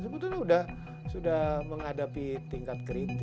sebetulnya sudah menghadapi tingkat kritis